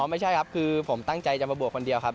ไม่ใช่ครับคือผมตั้งใจจะมาบวชคนเดียวครับ